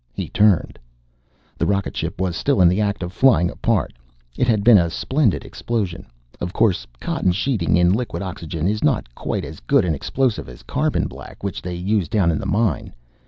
He turned. The rocketship was still in the act of flying apart. It had been a splendid explosion. Of course cotton sheeting in liquid oxygen is not quite as good an explosive as carbon black, which they used down in the mine.